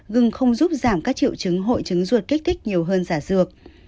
gừng không giúp giảm các triệu chứng hội chứng ruột kích thích nhiều hơn giả dược